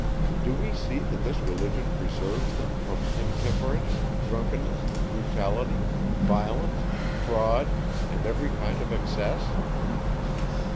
Do we see, that this religion preserves them from intemperance, drunkenness, brutality, violence, fraud, and every kind of excess?